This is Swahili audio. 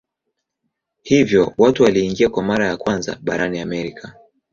Hivyo watu waliingia kwa mara ya kwanza barani Amerika.